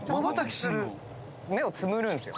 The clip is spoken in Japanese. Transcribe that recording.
目をつむるんすよ。